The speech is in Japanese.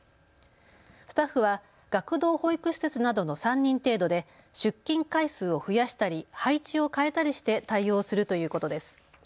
スタッフは学童保育施設などの３人程度で出勤回数を増やしたり配置を変えたりして対応するということです。